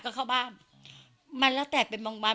ก็เข้าบ้านมันแล้วแต่เป็นบางวัน